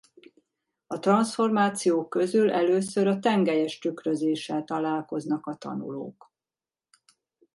A transzformációk közül először a tengelyes tükrözéssel találkoznak a tanulók.